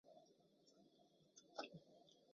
有研究提出双三嗪基吡啶。